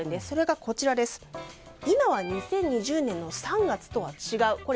それが、今は２０２０年の３月とは違う。